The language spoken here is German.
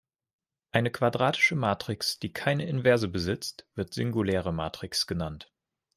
Eine quadratische Matrix, die keine Inverse besitzt, wird singuläre Matrix genannt.